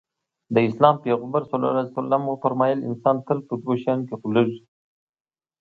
د اسلام پيغمبر ص وفرمايل انسان تل په دوو شيانو کې غولېږي.